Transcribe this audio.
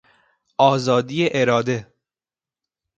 آزادی اراده